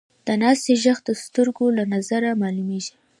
د ناستې ږغ د سترګو له نظره معلومېږي.